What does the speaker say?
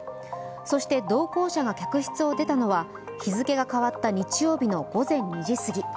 そして、同行者が客室を出たのは日付が変わった日曜日の午前２時過ぎ。